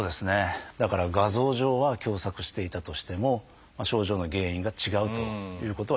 だから画像上は狭窄していたとしても症状の原因が違うということはよくあります。